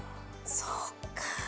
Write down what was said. そっかぁ。